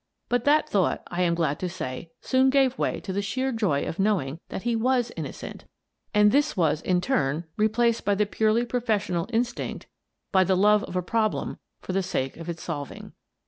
But that thought, I am glad to say, soon gave way to the sheer joy of knowing that he was innocent, and this ai6 Bromley Grows Mysterious 217 was, in turn, replaced by the purely professional instinct — by the love of a problem for the sake of its solving.